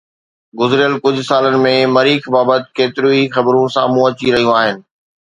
گذريل ڪجهه سالن ۾ مريخ بابت ڪيتريون ئي خبرون سامهون اچي رهيون آهن